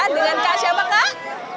dengan kak siapa kak